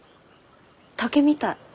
竹みたい。